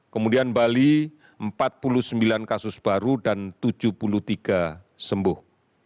kemudian bali empat puluh sembilan kasus baru dan tujuh puluh tiga sembuh